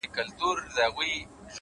اخلاق د شخصیت ریښتینی غږ دی